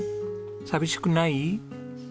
寂しくない？